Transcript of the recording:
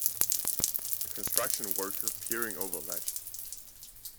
A construction worker peering over a ledge